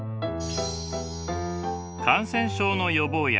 感染症の予防薬